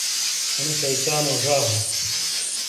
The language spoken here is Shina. اَنُو شَیطانو زا ہُوں۔